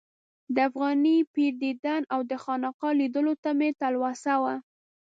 د افغاني پیر دیدن او د خانقا لیدلو ته مې تلوسه وه.